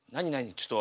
ちょっと。